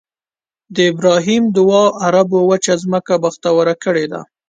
د ابراهیم دعا عربو وچه ځمکه بختوره کړې ده.